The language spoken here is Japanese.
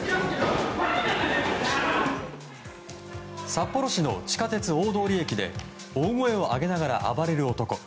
札幌市の地下鉄大通駅で大声を上げながら暴れる男。